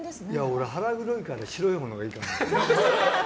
俺、腹黒いから白いものがいいかなって。